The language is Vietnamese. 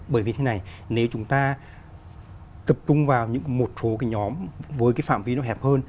bởi vì thế này nếu chúng ta tập trung vào những một số cái nhóm với cái phạm vi nó hẹp hơn